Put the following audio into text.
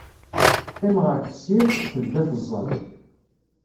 Teqqim ɣer tessirt, tebda tezzaḍ.